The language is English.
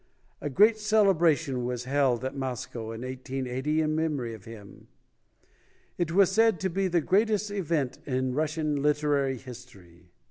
A great celebration was held at Moscow in 1880 in memory of him. It was said to be the greatest event in Russian literary history.